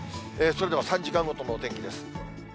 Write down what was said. それでは、３時間ごとのお天気です。